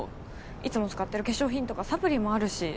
いつも使ってる化粧品とかサプリもあるし。